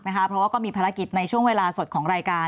เพราะว่าก็มีภารกิจในช่วงเวลาสดของรายการ